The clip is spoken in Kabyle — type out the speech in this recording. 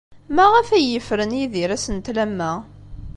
Maɣef ay yefren Yidir asentel am wa?